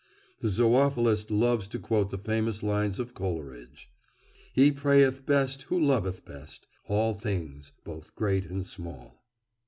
The zoophilist loves to quote the famous lines of Coleridge: He prayeth best who loveth best All things both great and small.